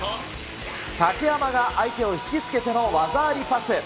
竹山が相手を引き付けての技ありパス。